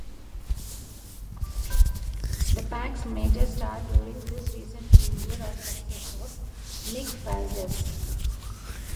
The Pack's major star during this recent period of success was Nick Fazekas.